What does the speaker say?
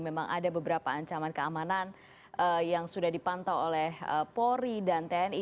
memang ada beberapa ancaman keamanan yang sudah dipantau oleh polri dan tni